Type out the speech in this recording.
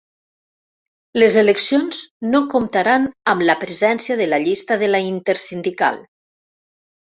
Les eleccions no comptaran amb la presència de la llista de la Intersindical